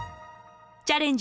「チャレンジ！